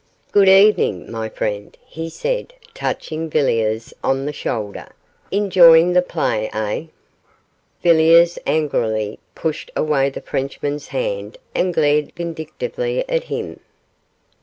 'Good evening, my friend,' he said, touching Villiers on the shoulder. 'Enjoying the play, eh?' Villiers angrily pushed away the Frenchman's hand and glared vindictively at him.